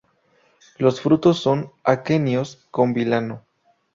Los frutos son aquenios con vilano.